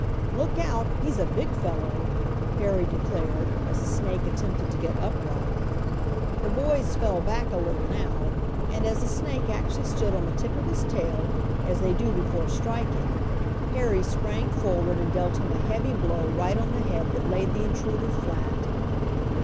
"Look out! He's a big fellow!" Harry declared, as the snake attempted to get upright. The boys fell back a little now, and as the snake actually stood on the tip of his tail, as they do before striking, Harry sprang forward and dealt him a heavy blow right on the head that laid the intruder flat.